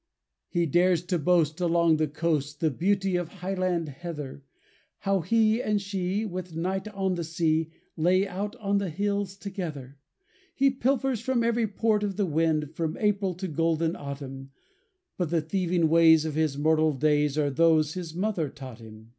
He dares to boast, along the coast, The beauty of Highland Heather, How he and she, with night on the sea, Lay out on the hills together. He pilfers from every port of the wind, From April to golden autumn; But the thieving ways of his mortal days Are those his mother taught him.